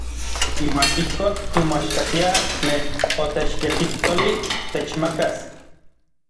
Iuan ijkon kimoaxkatiaj tlen otechyekijtolij techmakas.